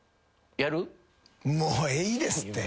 もういいですって。